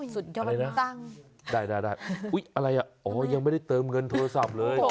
สุดยอดเลยนะได้อะไรอ่ะอ๋อยังไม่ได้เติมเงินโทรศัพท์เลย